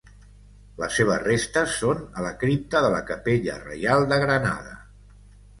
Les seves restes són a la cripta de la Capella Reial de Granada.